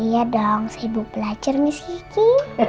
iya dong sibuk belajar miss gigi